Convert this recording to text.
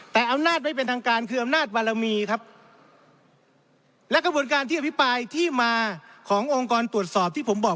แต่อำนาจไม่เป็นทางการคืออำนาจบารมีครับและกระบวนการที่อภิปรายที่มาขององค์กรตรวจสอบที่ผมบอก